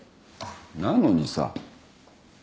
なのにさ。